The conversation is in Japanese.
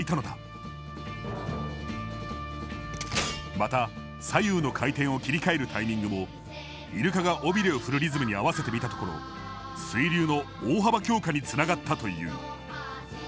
また左右の回転を切り替えるタイミングもイルカが尾びれを振るリズムに合わせてみたところ水流の大幅強化につながったという。